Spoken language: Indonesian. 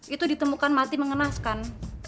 itu ditemukan mati mengenaskan